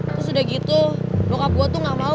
terus udah gitu luka gue tuh gak mau